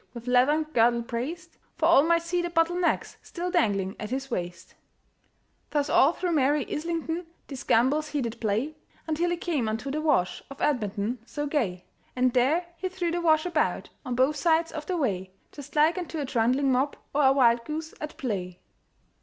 With leathern girdle braced; For all might see the bottle necks Still dangling at his waist. Thus all through merry Islington These gambols he did play, Until he came unto the Wash Of Edmonton so gay; And there he threw the wash about On both sides of the way, Just like unto a trundling mop, Or a wild goose at play.